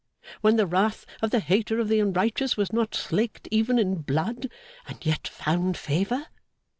When the wrath of the hater of the unrighteous was not slaked even in blood, and yet found favour?